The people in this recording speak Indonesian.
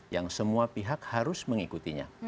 yang semua pihak harus mengikutinya